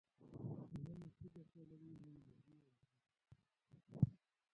نه مې هوږه خوړلې، نه یې له بویه ویریږم.